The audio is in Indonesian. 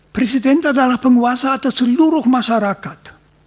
presiden adalah penguasa atau seluruh masyarakat